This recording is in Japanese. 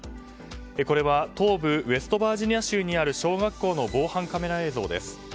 これは東部ウェストバージニア州にある小学校の防犯カメラ映像です。